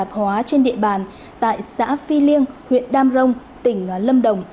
tạp hóa trên địa bàn tại xã phi liêng huyện đam rông tỉnh lâm đồng